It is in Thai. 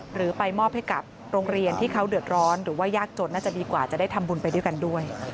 หรือไปมอบให้กับโรงเรียนที่เขาเดือดร้อนหรือว่ายากจนน่าจะดีกว่าจะได้ทำบุญไปด้วยกันด้วย